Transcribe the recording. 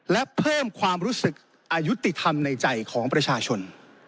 และเพิ่มความรู้สึกอายุติธรรมในใจของประชาชน